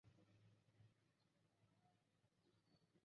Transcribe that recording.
তিনি আধ্যাত্মিক গোপন রহস্যের প্রতি গভীর মনোনিবেশ ছিলেন ।